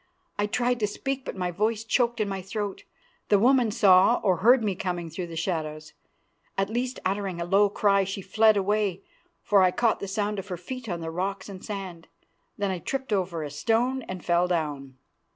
I tried to speak, but my voice choked in my throat. The woman saw or heard me coming through the shadows. At least, uttering a low cry, she fled away, for I caught the sound of her feet on the rocks and sand. Then I tripped over a stone and fell down.